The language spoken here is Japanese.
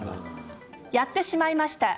やってしまいました。